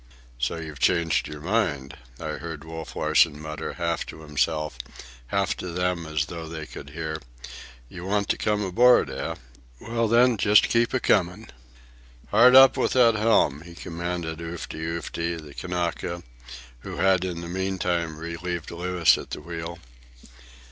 "So you've changed your mind?" I heard Wolf Larsen mutter, half to himself, half to them as though they could hear. "You want to come aboard, eh? Well, then, just keep a coming." "Hard up with that helm!" he commanded Oofty Oofty, the Kanaka, who had in the meantime relieved Louis at the wheel.